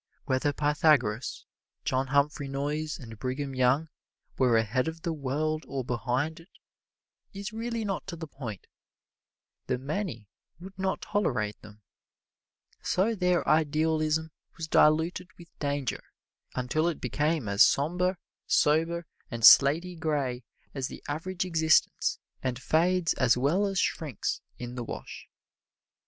Whether Pythagoras, John Humphrey Noyes and Brigham Young were ahead of the world or behind it is really not to the point the many would not tolerate them. So their idealism was diluted with danger until it became as somber, sober and slaty gray as the average existence, and fades as well as shrinks in the wash.